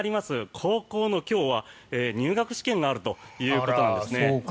高校の今日は入学試験があるということなんですね。